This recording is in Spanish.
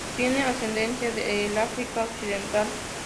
Tiene ascendencia del África Occidental.